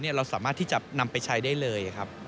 เราสามารถที่จะนำไปใช้ได้เลยครับ